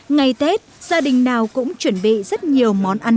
ngày tết gia đình nào cũng chuẩn bị rất nhiều